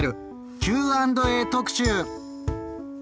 「Ｑ＆Ａ特集」！